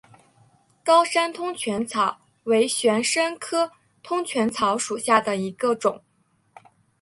高山通泉草为玄参科通泉草属下的一个种。